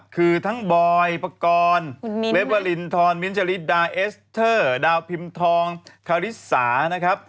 คือทั้งบอยปกรณ์เลเวลินทอนมิ้นเจริดาเอสเทอร์ดาวพิมพ์ทองคาริสา